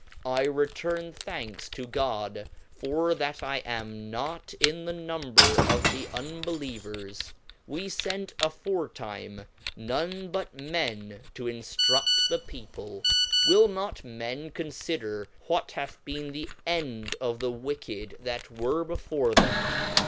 I return thanks to God, for that I am not in the num ber of unbelievers. We fent aforetime none but men to inftrud the people ; will not men confider what hath been the end of the wicked that were before them